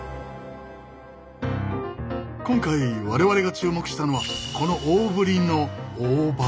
今回我々が注目したのはこの大ぶりの大葉！